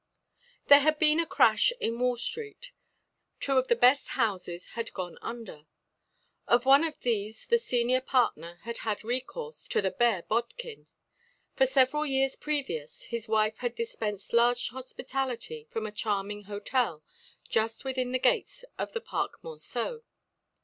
There had been a crash in Wall street. Two of the best houses had gone under. Of one of these the senior partner had had recourse to the bare bodkin. For several years previous his wife had dispensed large hospitality from a charming hôtel just within the gates of the Parc Monceau.